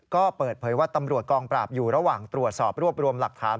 ก็เปิดเผยว่าตำรวจกองปราบอยู่ระหว่างตรวจสอบรวบรวมหลักฐาน